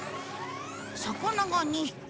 魚が２匹。